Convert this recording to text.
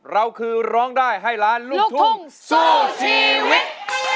เราคือร้องได้ให้ล้านลูกทุ่งสู้ชีวิต